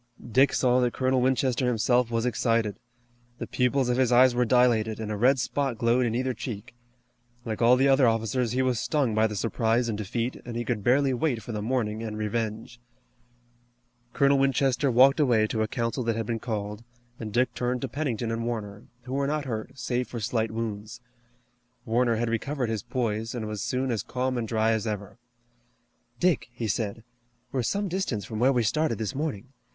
Dick saw that Colonel Winchester himself was excited. The pupils of his eyes were dilated, and a red spot glowed in either cheek. Like all the other officers he was stung by the surprise and defeat, and he could barely wait for the morning and revenge. Colonel Winchester walked away to a council that had been called, and Dick turned to Pennington and Warner, who were not hurt, save for slight wounds. Warner had recovered his poise, and was soon as calm and dry as ever. "Dick," he said, "we're some distance from where we started this morning.